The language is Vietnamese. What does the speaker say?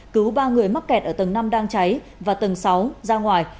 cứu ba người mắc kẹt ở tầng năm đang cháy và tầng sáu ra ngoài